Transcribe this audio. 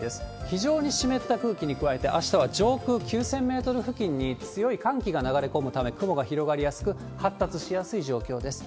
非常に湿った空気に加えて、あしたは上空９０００メートル付近に強い寒気が流れ込むため、雲が広がりやすく、発達しやすい状況です。